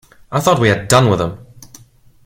I thought we had done with him.